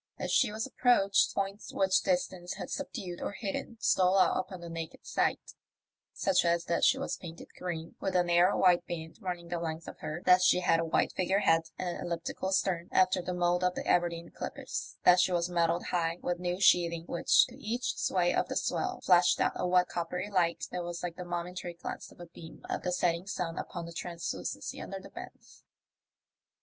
As she was approached, points which distance had subdued or hidden stole out upon the naked sight; such as that she was painted green, with a narrow white band running the length of her, that she had a white figure head and an elliptical stem, after the mould of the Aberdeen clippers; that she was metalled high with new sheathing, which, to each sway of the swell, flashed out a wet coppery light that was like the momentary glance of a beam of the setting sun upon the translucency under the bends.